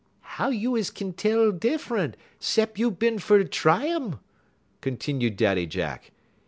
"How you is kin tell diffran 'cep' you bin fer try um?" continued Daddy Jack.